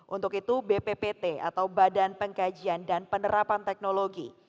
untuk itu bppt atau badan pengkajian dan penerapan teknologi